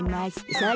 それ！